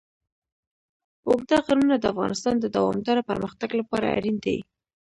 اوږده غرونه د افغانستان د دوامداره پرمختګ لپاره اړین دي.